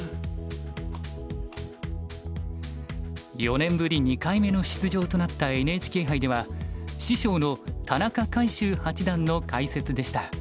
４年ぶり２回目の出場となったＮＨＫ杯では師匠の田中魁秀八段の解説でした。